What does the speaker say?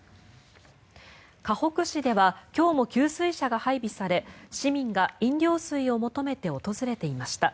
かほく市では今日も給水車が配備され市民が飲料水を求めて訪れていました。